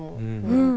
うん。